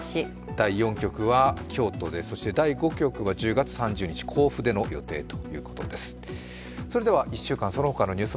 第４局は京都で、第５局は１０月３０日に甲府での予定ということです。